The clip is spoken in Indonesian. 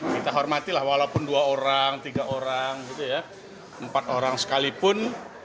kita hormati lah walaupun dua orang tiga orang empat orang sekalipun